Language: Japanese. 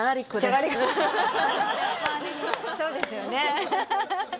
そうですよね。